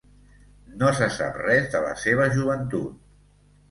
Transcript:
No se sap res de la seva joventut.